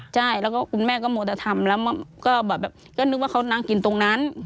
ใช่แล้วคุณแม่ก็มวลแต่ทำแล้วก็เหมือนว่าเขานั่งกินตรงนั้น